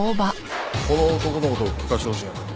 この男のことを聞かしてほしいんやけど。